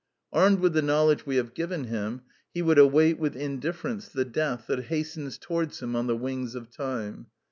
Armed with the knowledge we have given him, he would await with indifference the death that hastens towards him on the wings of time.